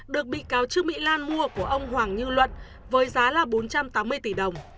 được bị cáo trương mỹ lan mua của ông hoàng như luận với giá là bốn trăm tám mươi tỷ đồng